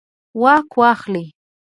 واک واخلي.